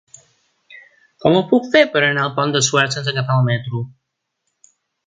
Com ho puc fer per anar al Pont de Suert sense agafar el metro?